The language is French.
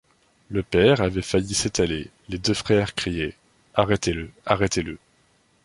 Le père avait failli s’étaler, les deux frères criaient: — Arrêtez-le, arrêtez-le!